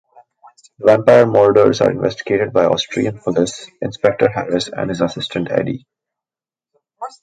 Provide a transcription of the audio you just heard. The vampire murders are investigated by Austrian police Inspector Harris and his assistant Eddi.